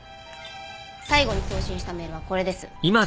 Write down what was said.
最後に送信したメールはこれです。